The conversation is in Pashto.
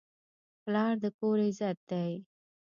پلار د کور عزت دی.